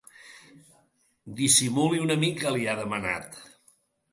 Dissimuli una mica, li ha demanat.